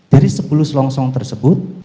dari sepuluh selongsong tersebut